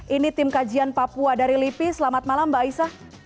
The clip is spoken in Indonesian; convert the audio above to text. ini tim kajian papua dari lipi selamat malam mbak aisah